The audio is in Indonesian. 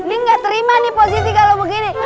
ini gak terima nih positi kalau begini